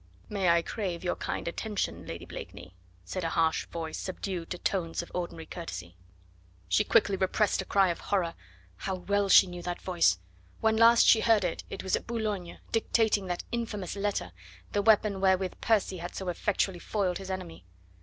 "May I crave your kind attention, Lady Blakeney?" said a harsh voice, subdued to tones of ordinary courtesy. She quickly repressed a cry of terror. How well she knew that voice! When last she heard it it was at Boulogne, dictating that infamous letter the weapon wherewith Percy had so effectually foiled his enemy.